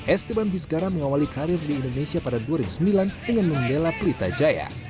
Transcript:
esteban vizgara mengawali karir di indonesia pada dua ribu sembilan dengan membela pelita jaya